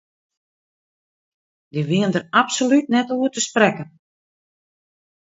Dy wienen dêr absolút net oer te sprekken.